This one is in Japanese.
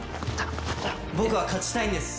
僕は勝ちたいんです。